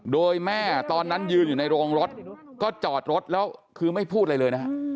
โดยแม่ตอนนั้นยืนอยู่ในโรงรถก็จอดรถแล้วคือไม่พูดอะไรเลยนะฮะ